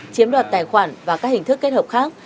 chiếm đoạt tài khoản và các hình thức kết hợp khác